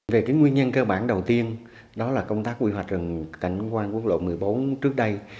về cái nguyên nhân cơ bản đầu tiên đó là công tác quy hoạch rừng cảnh quan quốc lộ một mươi bốn trước đây